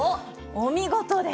お見事です。